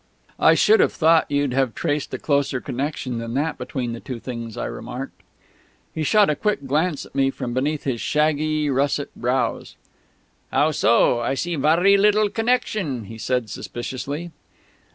"I should have thought you'd have traced a closer connection than that between the two things," I remarked. He shot a quick glance at me from beneath his shaggy russet brows. "How so? I see varry little connection," he said suspiciously.